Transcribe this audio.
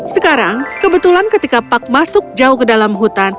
sekarang kebetulan ketika pak masuk jauh ke dalam hutan